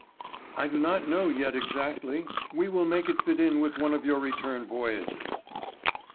"I do not know yet exactly. We will make it fit in with one of your return voyages."